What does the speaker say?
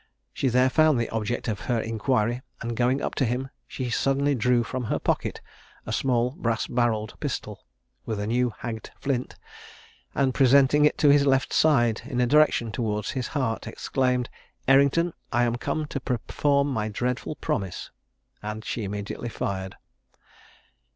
She there found the object of her inquiry, and going up to him she suddenly drew from her pocket a small brass barrelled pistol, with a new hagged flint, and presenting it to his left side in a direction towards his heart, exclaimed, "Errington, I am come to perform my dreadful promise," and she immediately fired.